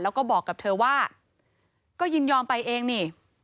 แล้วก็บอกกับเธอว่าก็ยินยอมไปเองนี่